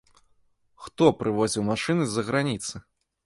Хто прывозіў машыны з-за граніцы?